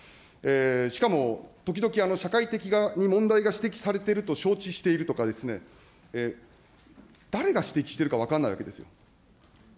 しかも、時々、社会的に問題が指摘されていると承知しているとかですね、誰が指摘してるか分かんないわけですよ。